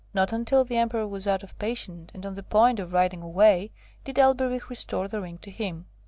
Not until the Emperor was out of patience, and on the point of riding away did Elberich restore the ring to him.